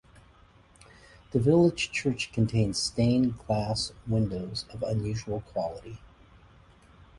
The village church contains stained glass windows of unusual quality.